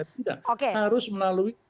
tidak harus melalui